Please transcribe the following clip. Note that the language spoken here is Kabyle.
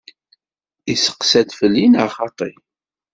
Isteqsa-d felli neɣ xaṭṭi?